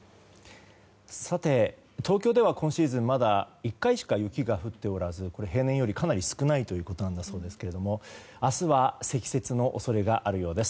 東京では今シーズンまだ１回しか雪が降っておらず平年よりかなり少ないそうですが明日は積雪の恐れがあるようです。